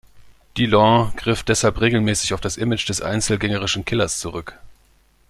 Delon griff deshalb regelmäßig auf das Image des einzelgängerischen Killers zurück.